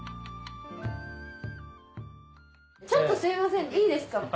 ちょっとすみませんいいですか？